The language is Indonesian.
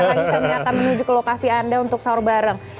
bentar lagi kami akan menuju ke lokasi anda untuk saur bareng